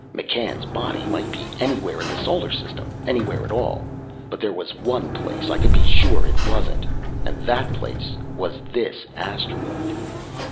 McCann's body might be anywhere in the Solar System, anywhere at all, but there was one place I could be sure it wasn't, and that place was this asteroid.